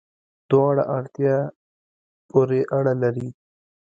دواړه، اړتیا پوری اړه لری